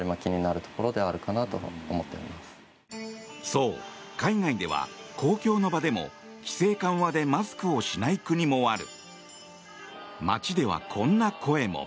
そう、海外では公共の場でも規制緩和でマスクをしない国もある。